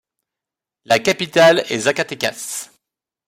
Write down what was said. La capitale est Zacatecas.